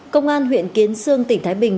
công an huyện kiến sương tỉnh thái bình